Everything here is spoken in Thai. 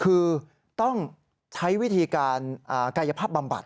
คือต้องใช้วิธีการกายภาพบำบัด